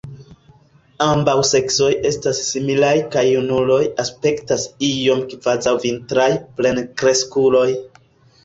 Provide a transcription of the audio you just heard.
Ambaŭ seksoj estas similaj kaj junuloj aspektas iome kvazaŭ vintraj plenkreskuloj.